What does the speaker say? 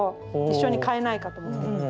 一緒に買えないかと思って。